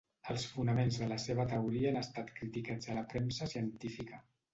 Els fonaments de la seva teoria han estat criticats a la premsa científica.